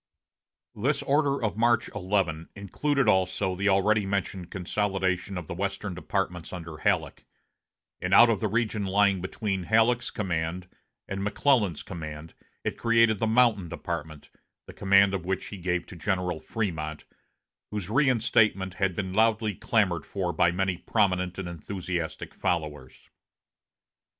This order of March 11 included also the already mentioned consolidation of the western departments under Halleck; and out of the region lying between Halleck's command and McClellan's command it created the Mountain Department, the command of which he gave to General Frémont, whose reinstatement had been loudly clamored for by many prominent and enthusiastic followers.